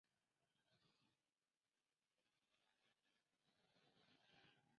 Nickel silicides are generally chemically and thermally stable.